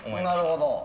なるほど。